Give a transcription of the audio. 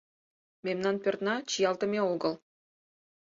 Мемнан пӧртна чиялтыме огыл